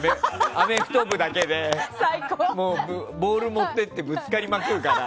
アメフト部だけでねボール持ってってぶつかりまくるから